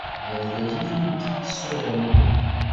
D argaz i tent-ittṣuḍun.